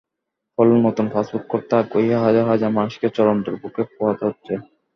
ফলে নতুন পাসপোর্ট করতে আগ্রহী হাজার হাজার মানুষকে চরম দুর্ভোগ পোহাতে হচ্ছে।